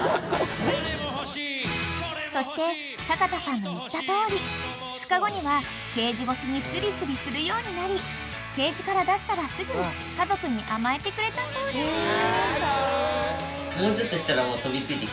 ［そして阪田さんの言ったとおり２日後にはケージ越しにスリスリするようになりケージから出したらすぐ家族に甘えてくれたそうです］